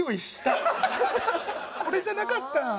これじゃなかった。